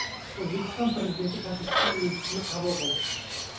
O‘zbekiston Prezidenti Tojikiston elchisini qabul qildi